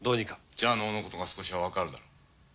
じゃあ能のことが少しはわかるだろう。